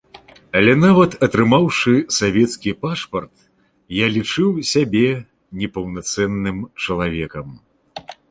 Але нават атрымаўшы савецкі пашпарт, я лічыў сябе непаўнацэнным чалавекам.